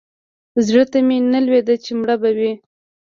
زړه ته مې نه لوېده چې مړ به وي.